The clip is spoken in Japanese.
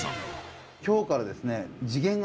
今日からですね。